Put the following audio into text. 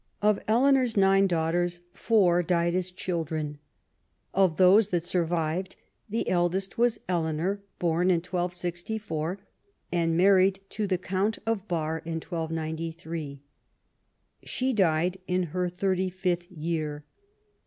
Of Eleanor's nine daughters, four died as children. Of those that survived the eldest was Eleanor, born in 1264, and married to the Count of Bar in 129.3. She died in her thirty fifth year.